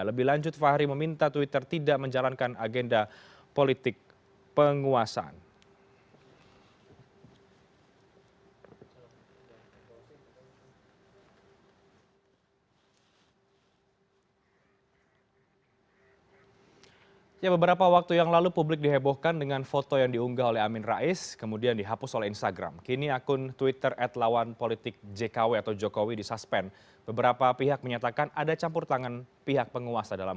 lebih lanjut fahri meminta twitter tidak menjalankan agenda politik penguasaan